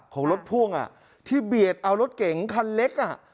ของรถพ่วงที่เบียดเอารถเก๋งคันเล็ก